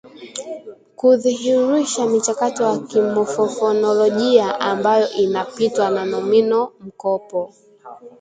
Kudhihirisha michakato ya kimofofonolojia ambayo inapitiwa na nomino-mkopo